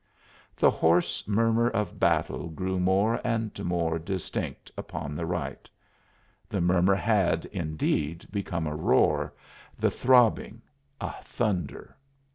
The hoarse murmur of battle grew more and more distinct upon the right; the murmur had, indeed, become a roar, the throbbing, a thunder.